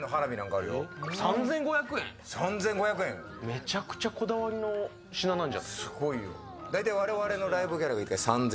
めちゃくちゃこだわりの品なんじゃない？